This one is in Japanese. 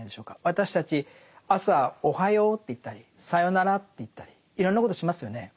私たち朝おはようと言ったりさよならって言ったりいろんなことしますよね。